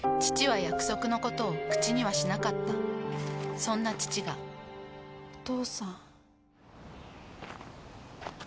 父は約束のことを口にはしなかったそんな父がお父さん。